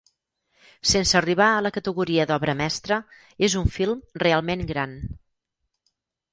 Sense arribar a la categoria d'obra mestra, és un film realment gran.